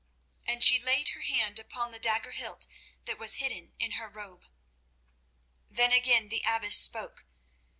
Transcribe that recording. And she laid her hand upon the dagger hilt that was hidden in her robe. Then again the abbess spoke.